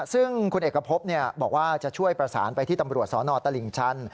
ซึ่งคุณเอกพบบอกว่าจะช่วยประสานไปที่ตำรวจสนตลิ่งชัน